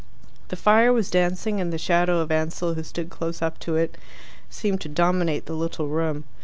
The fire was dancing, and the shadow of Ansell, who stood close up to it, seemed to dominate the little room.